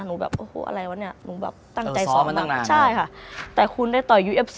หนูแบบโอ้โฮอะไรวะเนี่ย